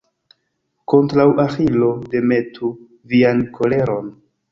Kontraŭ Aĥilo demetu vian koleron.